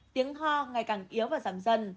tiếng hoa ngày càng yếu và giảm dần